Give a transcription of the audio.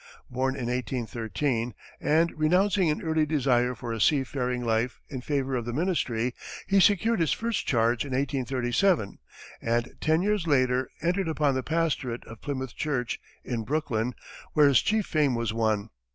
Born in 1813, and renouncing an early desire for a sea faring life in favor of the ministry, he secured his first charge in 1837, and ten years later entered upon the pastorate of Plymouth church, in Brooklyn, where his chief fame was won.